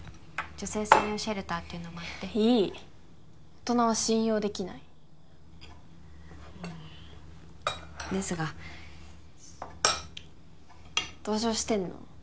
女性専用シェルターっていうのもあっていい大人は信用できないうんですが同情してんの？